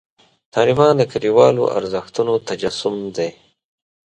طالبان د کلیوالو ارزښتونو تجسم دی.